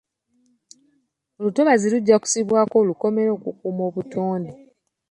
Olutobazi lujja kussibwako olukomera okukuuma obutonde.